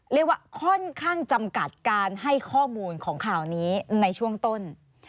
เรียกว่าค่อนข้างจำกัดการให้ข้อมูลของข่าวนี้ในช่วงต้น